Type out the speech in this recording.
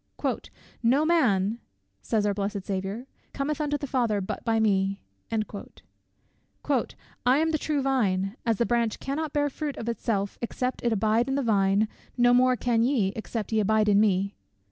"No man," says our blessed Saviour, "cometh unto the Father but by me." "I am the true Vine. As the branch cannot bear fruit of itself except it abide in the vine, no more can ye except ye abide in me."